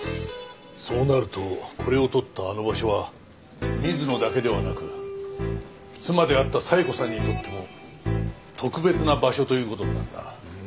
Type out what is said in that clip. そうなるとこれを撮ったあの場所は水野だけではなく妻であった冴子さんにとっても特別な場所という事になるな。